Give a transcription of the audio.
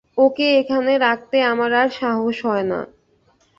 ওকে এখানে রাখতে আমার আর সাহস হয় না।